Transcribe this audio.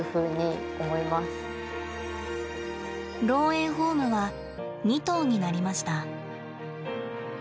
老猿ホームは２頭になりました。